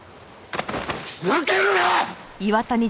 ふざけるな！